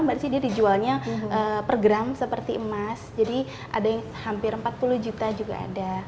mbak desi dia dijualnya per gram seperti emas jadi ada yang hampir empat puluh juta juga ada